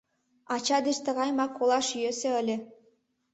Ача деч тыгайымак колаш йӧсӧ ыле!